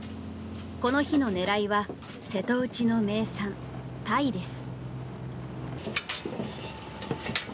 この日の狙いは瀬戸内の名産、タイです。